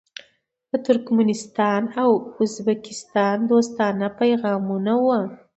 د ترکمنستان او ازبکستان دوستانه پیغامونه وو.